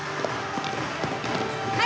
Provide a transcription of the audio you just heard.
はい！